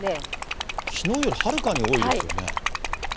きのうよりはるかに多いですよね。